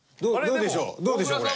どうでしょう？